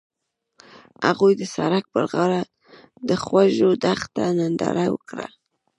هغوی د سړک پر غاړه د خوږ دښته ننداره وکړه.